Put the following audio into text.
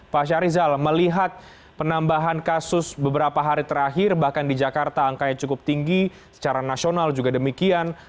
pak syarizal melihat penambahan kasus beberapa hari terakhir bahkan di jakarta angkanya cukup tinggi secara nasional juga demikian